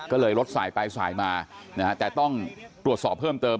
ก็เลยรถสายไปสายมานะฮะแต่ต้องตรวจสอบเพิ่มเติม